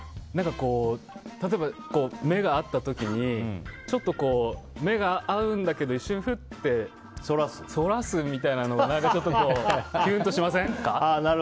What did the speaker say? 例えば、目が合った時にちょっと目が合うんだけど一瞬フッと、そらすみたいなのちょっと、キュンとしません？